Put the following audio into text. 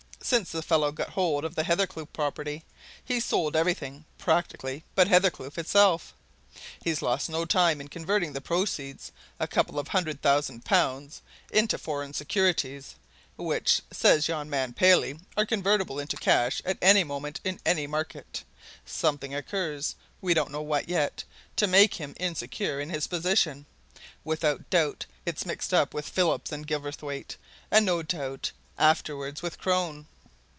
Since the fellow got hold of the Hathercleugh property, he's sold everything, practically, but Hathercleugh itself; he's lost no time in converting the proceeds a couple of hundred thousand pounds! into foreign securities, which, says yon man Paley, are convertible into cash at any moment in any market! Something occurs we don't know what, yet to make him insecure in his position; without doubt, it's mixed up with Phillips and Gilverthwaite, and no doubt, afterwards, with Crone.